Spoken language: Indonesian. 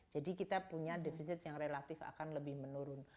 jadi kita punya defisit yang relatif akan lebih menurun